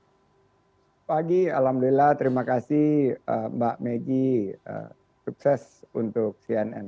selamat pagi alhamdulillah terima kasih mbak megi sukses untuk cnn